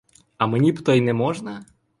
А мені б то й не можна?